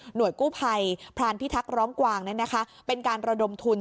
หน่วยกู่พัยพรานพิทักร้องกว่างเนี่ยนะค่ะเป็นการระดมทุน